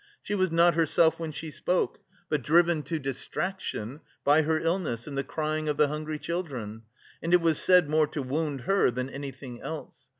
She was not herself when she spoke, but driven to distraction by her illness and the crying of the hungry children; and it was said more to wound her than anything else....